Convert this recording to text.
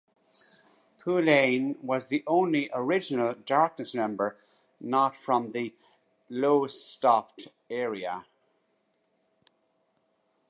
Poullain was the only original Darkness member not from the Lowestoft area.